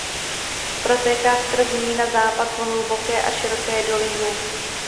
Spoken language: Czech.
Protéká skrz ní na západ v hluboké a široké dolině.